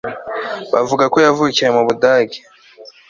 Bavuga ko yavukiye mu Budage